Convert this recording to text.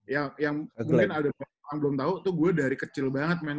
yang mungkin ada yang belum tau tuh gue dari kecil banget men